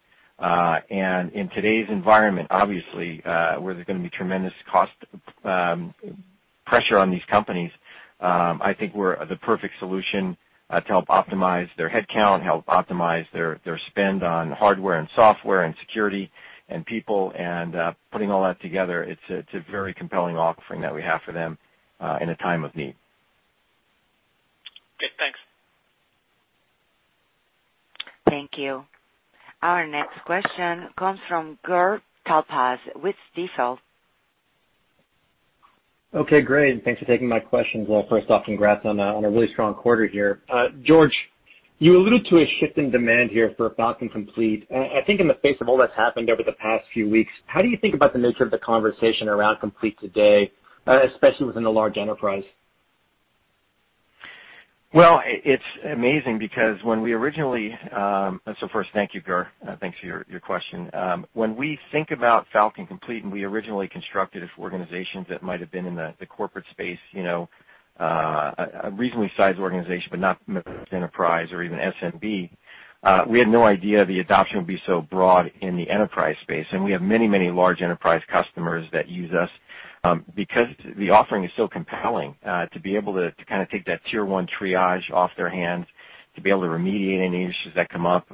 In today's environment, obviously, where there's going to be tremendous cost pressure on these companies, I think we're the perfect solution to help optimize their headcount, help optimize their spend on hardware and software and security and people, and putting all that together, it's a very compelling offering that we have for them in a time of need. Okay, thanks. Thank you. Our next question comes from Gur Talpaz with Stifel. Okay, great. Thanks for taking my questions. Well, first off, congrats on a really strong quarter here. George, you alluded to a shift in demand here for Falcon Complete. I think in the face of all that's happened over the past few weeks, how do you think about the nature of the conversation around Complete today, especially within the large enterprise? First, thank you, Gur. Thanks for your question. When we think about Falcon Complete, and we originally constructed it for organizations that might have been in the corporate space, a reasonably sized organization, but not enterprise or even SMB. We had no idea the adoption would be so broad in the enterprise space. We have many large enterprise customers that use us because the offering is so compelling to be able to take that Tier 1 triage off their hands, to be able to remediate any issues that come up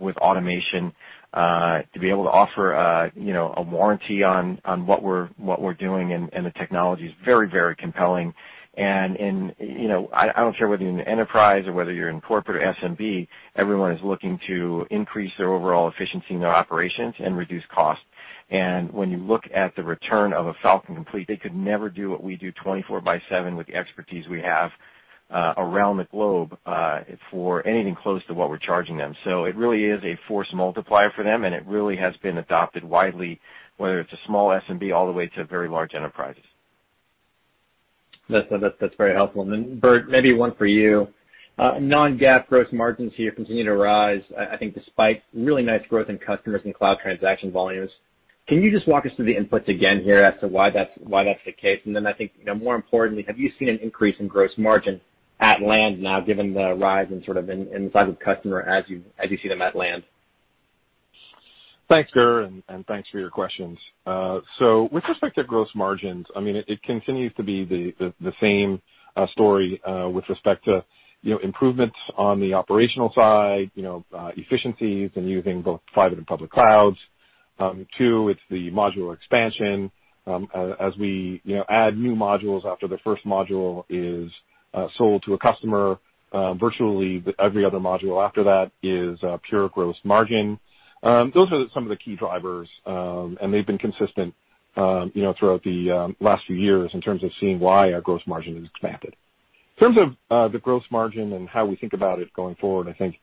with automation, to be able to offer a warranty on what we're doing and the technology is very compelling. I don't care whether you're in enterprise or whether you're in corporate or SMB, everyone is looking to increase their overall efficiency in their operations and reduce costs. When you look at the return of a Falcon Complete, they could never do what we do 24 by 7 with the expertise we have around the globe for anything close to what we're charging them. it really is a force multiplier for them, and it really has been adopted widely, whether it's a small SMB, all the way to very large enterprises. That's very helpful. Burt, maybe one for you. Non-GAAP gross margins here continue to rise, I think despite really nice growth in customers and cloud transaction volumes. Can you just walk us through the inputs again here as to why that's the case? I think, more importantly, have you seen an increase in gross margin at land now given the rise in size of customer as you see them at land? Thanks, Gur, thanks for your questions. With respect to gross margins, it continues to be the same story with respect to improvements on the operational side, efficiencies in using both private and public clouds. Two, it's the modular expansion. As we add new modules after the first module is sold to a customer, virtually every other module after that is pure gross margin. Those are some of the key drivers, and they've been consistent throughout the last few years in terms of seeing why our gross margin has expanded. In terms of the gross margin and how we think about it going forward, I think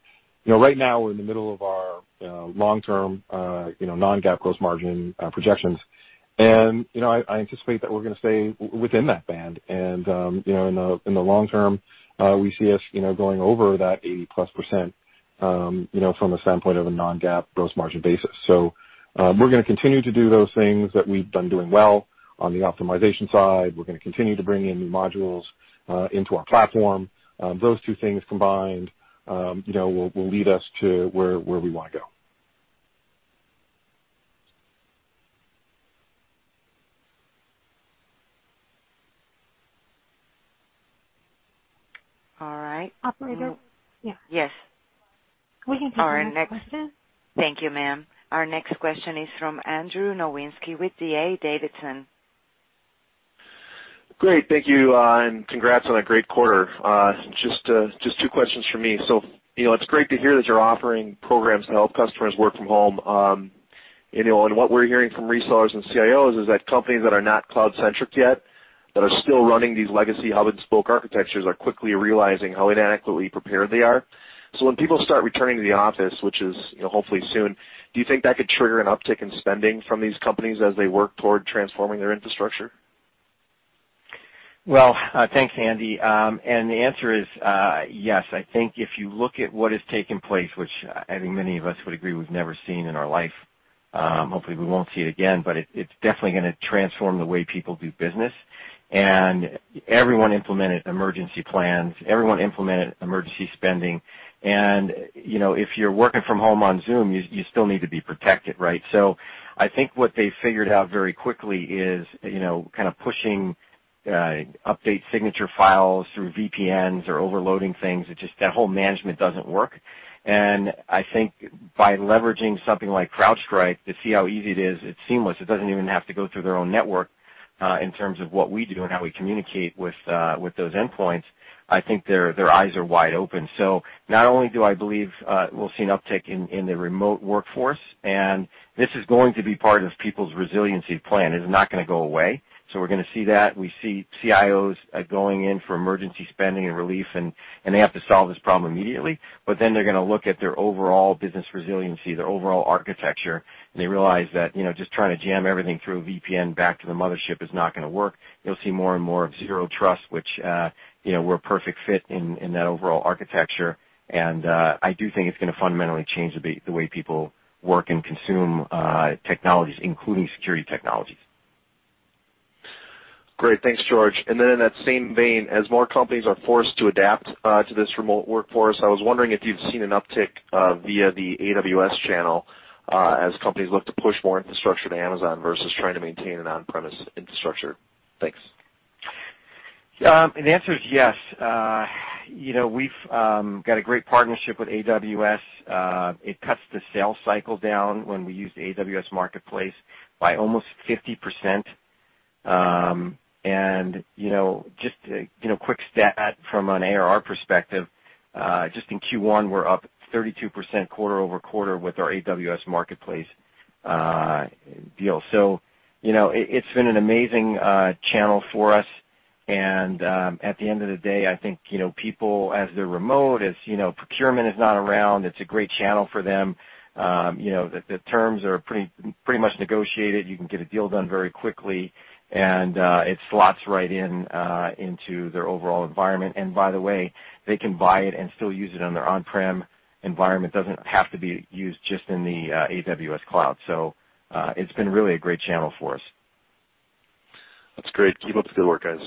right now we're in the middle of our long-term, non-GAAP gross margin projections. I anticipate that we're going to stay within that band. In the long term, we see us going over that 80%+ from a standpoint of a non-GAAP gross margin basis. We're going to continue to do those things that we've done doing well on the optimization side. We're going to continue to bring in new modules into our platform. Those two things combined will lead us to where we want to go. All right. Operator? Yes. We can take the next question. Thank you, ma'am. Our next question is from Andrew Nowinski with D.A. Davidson. Great. Thank you, and congrats on a great quarter. Just two questions from me. It's great to hear that you're offering programs to help customers work from home. What we're hearing from resellers and CIOs is that companies that are not cloud-centric yet, that are still running these legacy hub and spoke architectures, are quickly realizing how inadequately prepared they are. When people start returning to the office, which is hopefully soon, do you think that could trigger an uptick in spending from these companies as they work toward transforming their infrastructure? Well, thanks, Andy. The answer is yes. I think if you look at what has taken place, which I think many of us would agree we've never seen in our life, hopefully we won't see it again, but it's definitely going to transform the way people do business. Everyone implemented emergency plans, everyone implemented emergency spending. If you're working from home on Zoom, you still need to be protected, right? I think what they figured out very quickly is pushing update signature files through VPNs or overloading things, that whole management doesn't work. I think by leveraging something like CrowdStrike to see how easy it is, it's seamless. It doesn't even have to go through their own network, in terms of what we do and how we communicate with those endpoints. I think their eyes are wide open. Not only do I believe we'll see an uptick in the remote workforce, and this is going to be part of people's resiliency plan. It is not going to go away. We're going to see that. We see CIOs going in for emergency spending and relief, and they have to solve this problem immediately. Then they're going to look at their overall business resiliency, their overall architecture, and they realize that just trying to jam everything through a VPN back to the mothership is not going to work. You'll see more and more of zero trust, which we're a perfect fit in that overall architecture. I do think it's going to fundamentally change the way people work and consume technologies, including security technologies. Great. Thanks, George. In that same vein, as more companies are forced to adapt to this remote workforce, I was wondering if you've seen an uptick via the AWS channel as companies look to push more infrastructure to Amazon versus trying to maintain an on-premise infrastructure. Thanks. The answer is yes. We've got a great partnership with AWS. It cuts the sales cycle down when we use the AWS Marketplace by almost 50%. Just a quick stat from an ARR perspective, just in Q1, we're up 32% quarter-over-quarter with our AWS Marketplace deal. It's been an amazing channel for us. At the end of the day, I think people as they're remote, as procurement is not around, it's a great channel for them. The terms are pretty much negotiated. You can get a deal done very quickly, and it slots right in into their overall environment. By the way, they can buy it and still use it on their on-prem environment. It doesn't have to be used just in the AWS cloud. It's been really a great channel for us. That's great. Keep up the good work, guys.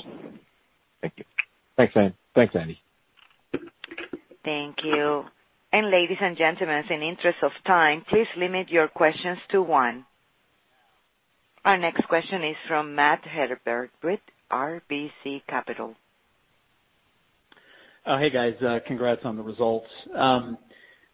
Thank you. Thanks, Andy. Thank you. Ladies and gentlemen, in the interest of time, please limit your questions to one. Our next question is from Matt Hedberg with RBC Capital. Hey, guys. Congrats on the results.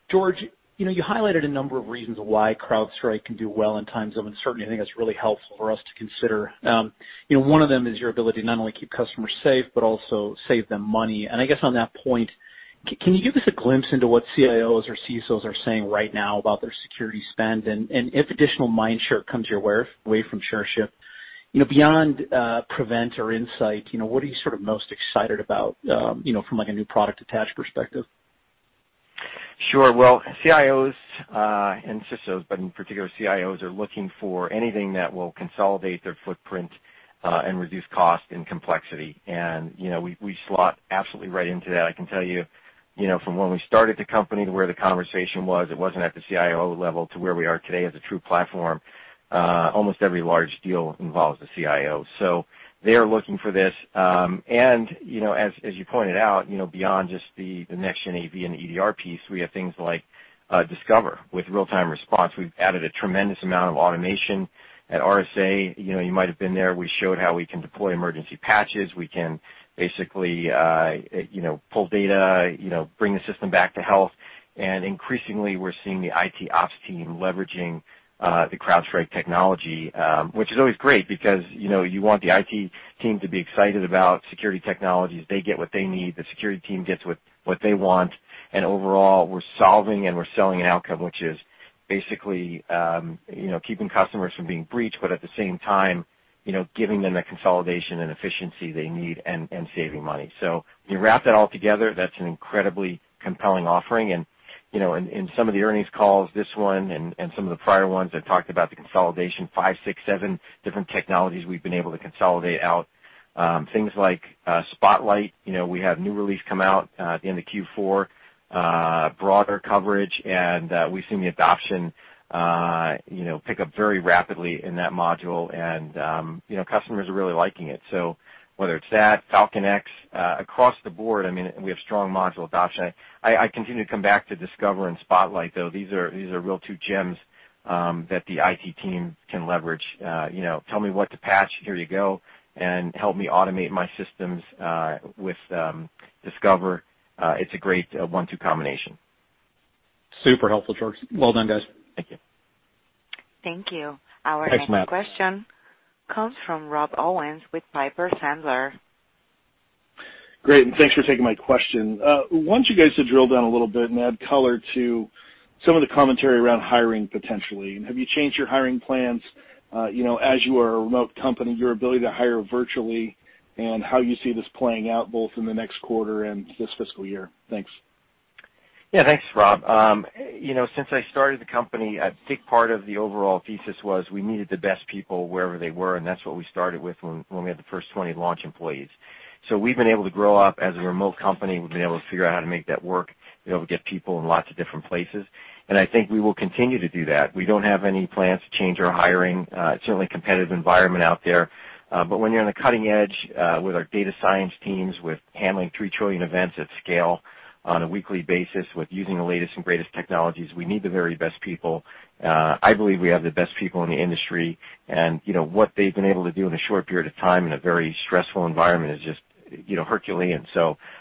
George, you highlighted a number of reasons why CrowdStrike can do well in times of uncertainty. I think that's really helpful for us to consider. One of them is your ability to not only keep customers safe, but also save them money. I guess on that point, can you give us a glimpse into what CIOs or CISOs are saying right now about their security spend? If additional mind share comes your way from share shift, beyond Prevent or Insight, what are you most excited about from a new product attach perspective? Sure. Well, CIOs and CISOs, but in particular CIOs, are looking for anything that will consolidate their footprint and reduce cost and complexity. We slot absolutely right into that. I can tell you, from when we started the company to where the conversation was, it wasn't at the CIO level to where we are today as a true platform. Almost every large deal involves the CIO. They are looking for this. As you pointed out, beyond just the next-gen AV and EDR piece, we have things like Discover with real-time response. We've added a tremendous amount of automation at RSA. You might have been there. We showed how we can deploy emergency patches. We can basically pull data, bring the system back to health. Increasingly, we're seeing the IT ops team leveraging the CrowdStrike technology, which is always great because you want the IT team to be excited about security technologies. They get what they need, the security team gets what they want, and overall, we're solving and we're selling an outcome, which is basically keeping customers from being breached, but at the same time, giving them the consolidation and efficiency they need and saving money. When you wrap that all together, that's an incredibly compelling offering. In some of the earnings calls, this one and some of the prior ones, I've talked about the consolidation, five, six, seven different technologies we've been able to consolidate out. Things like Spotlight. We have new release come out at the end of Q4, broader coverage, and we've seen the adoption pick up very rapidly in that module. Customers are really liking it. whether it's that, Falcon X, across the board, we have strong module adoption. I continue to come back to Discover and Spotlight, though. These are real two gems that the IT team can leverage. Tell me what to patch, here you go, and help me automate my systems with Discover. It's a great one-two combination. Super helpful, George. Well done, guys. Thank you. Thank you. Thanks, Matt. Our next question comes from Rob Owens with Piper Sandler. Great, and thanks for taking my question. I want you guys to drill down a little bit and add color to some of the commentary around hiring, potentially. Have you changed your hiring plans as you are a remote company, your ability to hire virtually, and how you see this playing out both in the next quarter and this fiscal year? Thanks. Yeah. Thanks, Rob. Since I started the company, a big part of the overall thesis was we needed the best people wherever they were, and that's what we started with when we had the first 20 launch employees. We've been able to grow up as a remote company. We've been able to figure out how to make that work, be able to get people in lots of different places, and I think we will continue to do that. We don't have any plans to change our hiring. It's certainly a competitive environment out there. When you're on the cutting edge with our data science teams, with handling 3 trillion events at scale on a weekly basis, with using the latest and greatest technologies, we need the very best people. I believe we have the best people in the industry, and what they've been able to do in a short period of time in a very stressful environment is just Herculean.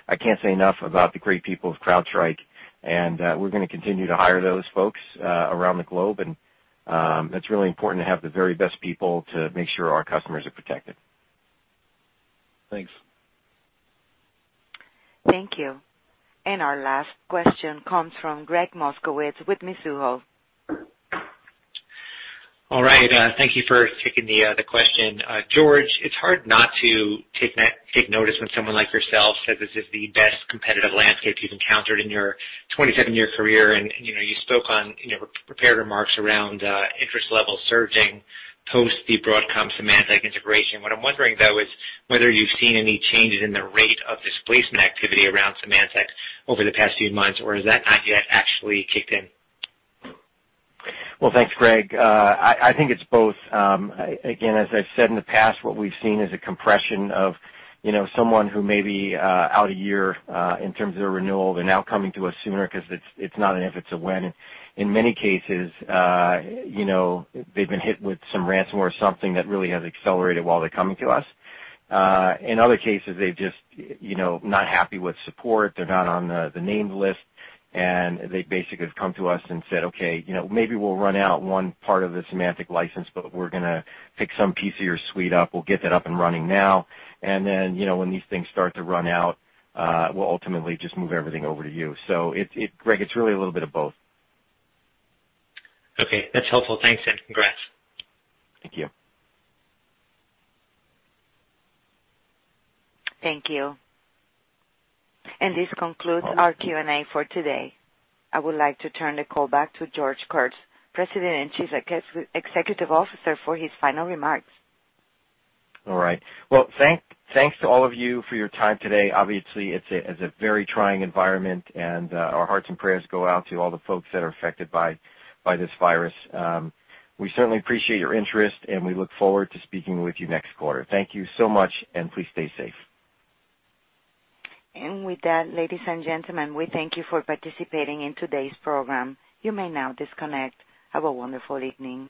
I can't say enough about the great people of CrowdStrike, and we're going to continue to hire those folks around the globe. It's really important to have the very best people to make sure our customers are protected. Thanks. Thank you. Our last question comes from Gregg Moskowitz with Mizuho. All right. Thank you for taking the question. George, it's hard not to take notice when someone like yourself says this is the best competitive landscape you've encountered in your 27-year career, and you spoke on your prepared remarks around interest level surging post the Broadcom Symantec integration. What I'm wondering, though, is whether you've seen any changes in the rate of displacement activity around Symantec over the past few months, or has that not yet actually kicked in? Well, thanks, Gregg. I think it's both. Again, as I've said in the past, what we've seen is a compression of someone who may be out a year in terms of their renewal. They're now coming to us sooner because it's not an if, it's a when. In many cases, they've been hit with some ransomware or something that really has accelerated while they're coming to us. In other cases, they're just not happy with support. They're not on the named list, and they basically have come to us and said, "Okay, maybe we'll run out one part of the Symantec license, but we're going to pick some piece of your suite up. We'll get that up and running now, and then when these things start to run out, we'll ultimately just move everything over to you." Gregg, it's really a little bit of both. Okay, that's helpful. Thanks, and congrats. Thank you. Thank you. This concludes our Q&A for today. I would like to turn the call back to George Kurtz, President and Chief Executive Officer, for his final remarks. All right. Well, thanks to all of you for your time today. Obviously, it's a very trying environment, and our hearts and prayers go out to all the folks that are affected by this virus. We certainly appreciate your interest, and we look forward to speaking with you next quarter. Thank you so much, and please stay safe. With that, ladies and gentlemen, we thank you for participating in today's program. You may now disconnect. Have a wonderful evening.